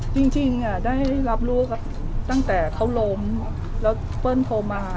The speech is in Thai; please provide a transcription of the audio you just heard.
จริงได้รับรู้ตั้งแต่เขาล้มแล้วเปิ้ลโทรมา